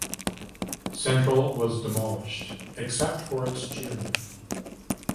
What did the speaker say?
Central was demolished except for its gym.